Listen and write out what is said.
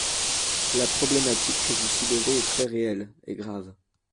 La problématique que vous soulevez est très réelle, et grave.